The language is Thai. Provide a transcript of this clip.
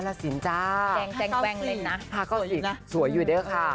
แจงแจงแวงเลยนะ๕๙๐สวยอยู่เด้อค่ะ